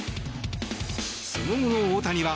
その後の大谷は。